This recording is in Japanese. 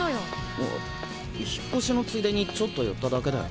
あ引っ越しのついでにちょっと寄っただけだよ。